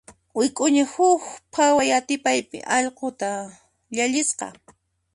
Wik'uña huk phaway atipaypi allquta llallisqa.